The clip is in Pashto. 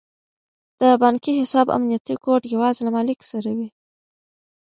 د بانکي حساب امنیتي کوډ یوازې له مالیک سره وي.